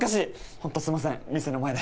ホントすいません店の前で。